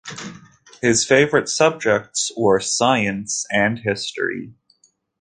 His favourite subjects were Science and History.